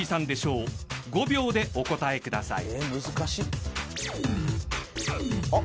［７秒でお答えください］